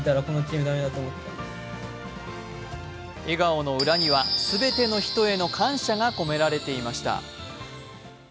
笑顔の裏には全ての人への感謝が込められていました。